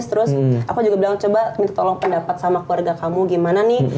terus aku juga bilang coba minta tolong pendapat sama keluarga kamu gimana nih